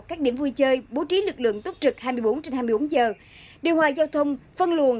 các điểm vui chơi bố trí lực lượng túc trực hai mươi bốn trên hai mươi bốn giờ điều hòa giao thông phân luồn